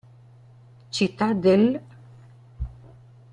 Città dell'.